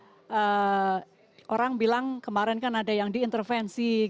karena orang bilang kemarin kan ada yang diintervensi